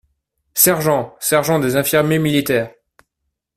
Sergent !… sergent des infirmiers militaires.